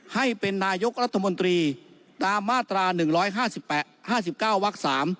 ให้เป็นนายกรัฐมนตรีตามมาตรา๑๕๙วัก๓